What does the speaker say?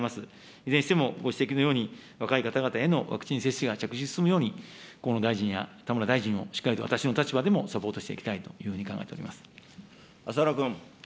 いずれにしてもご指摘のように、若い方々へのワクチン接種が確実に進むように、河野大臣や田村大臣をしっかりと、私の立場でもサポートしていきたいというふうに浅野君。